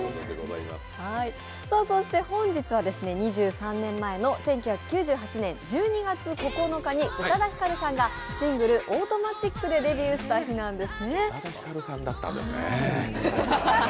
そして本日は２３年前の１９９８年１２月９日に宇多田ヒカルさんがシングル「Ａｕｔｏｍａｔｉｃ」でデビューしたんです。